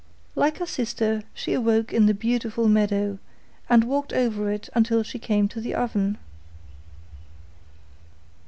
Like her sister she awoke in the beautiful meadow, and walked over it till she came to the oven.